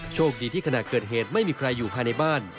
โชคดีที่ขณะเกิดเหตุไม่มีใครอยู่ภายในบ้าน